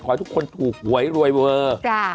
ให้ทุกคนถูกหวยรวยเวอร์